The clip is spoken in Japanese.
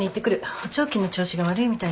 補聴器の調子が悪いみたいだから。